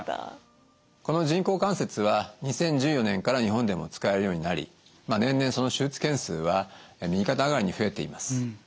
この人工関節は２０１４年から日本でも使えるようになり年々その手術件数は右肩上がりに増えています。